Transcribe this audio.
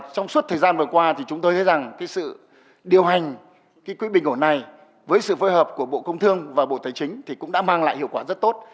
trong suốt thời gian vừa qua thì chúng tôi thấy rằng sự điều hành quỹ bình ổn này với sự phối hợp của bộ công thương và bộ tài chính thì cũng đã mang lại hiệu quả rất tốt